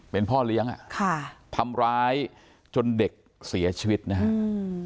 เป็นพ่อเลี้ยงอ่ะค่ะทำร้ายจนเด็กเสียชีวิตนะฮะอืม